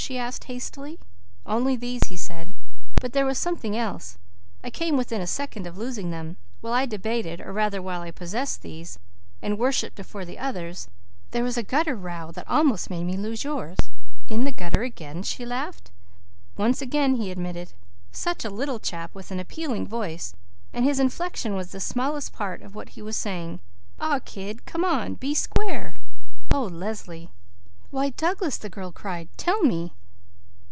she asked hastily. "Only these," he said. "But there was something else. I came near losing them. While I debated, or rather while I possessed these, and worshipped the others, there was a gutter row that almost made me lose yours." "In the gutter again?" she laughed. "Once again," he admitted. "Such a little chap, with an appealing voice, while his inflection was the smallest part of what he was saying. 'Aw kid, come on. Be square!' Oh Leslie!" "Why Douglas!" the girl cried. "Tell me!"